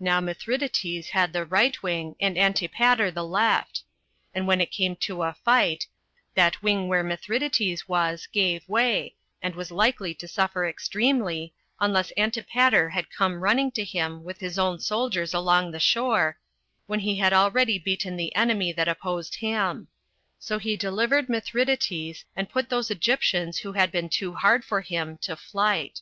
Now Mithridates had the right wing, and Antipater the left; and when it came to a fight, that wing where Mithridates was gave way, and was likely to suffer extremely, unless Antipater had come running to him with his own soldiers along the shore, when he had already beaten the enemy that opposed him; so he delivered Mithridates, and put those Egyptians who had been too hard for him to flight.